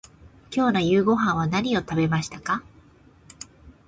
今日の夕ごはんは何を食べましたか。